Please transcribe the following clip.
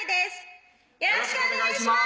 よろしくお願いします！